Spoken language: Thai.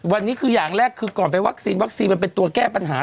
วันนี้คืออย่างแรกคือก่อนไปวัคซีนวัคซีนมันเป็นตัวแก้ปัญหา